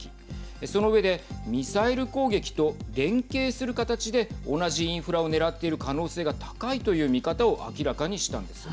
その上でミサイル攻撃と連携する形で同じインフラを狙っている可能性が高いという見方を明らかにしたんです。